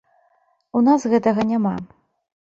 У нас гэтага няма.